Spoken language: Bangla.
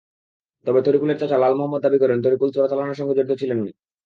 তবে তরিকুলের চাচা লাল মোহাম্মদ দাবি করেন, তরিকুল চোরাচালানের সঙ্গে জড়িত ছিলেন না।